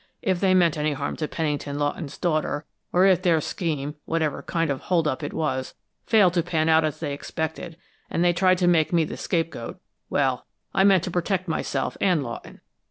If they meant any harm to Pennington Lawton's daughter, or if their scheme, whatever kind of a hold up it was, failed to pan out as they expected, and they tried to make me the scape goat well, I meant to protect myself and Lawton.